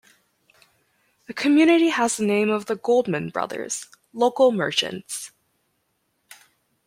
The community has the name of the Goldman brothers, local merchants.